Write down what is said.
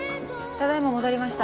ただ今戻りました。